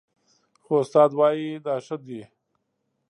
خو استاد وايي دا ښه دي